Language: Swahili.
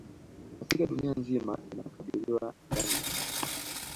Katika dunia nzima inakadiriwa ndani ya mwaka